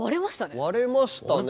割れましたね。